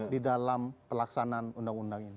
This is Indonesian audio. di dalam pelaksanaan undang undang ini